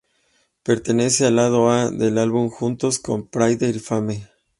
Pertenece al lado A del álbum, junto con "Pride" y "Fame".